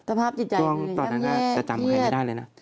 สภาพจิตใจอย่างเงี้ยตอนนั้นก็จะจำใครไม่ได้เลยนะ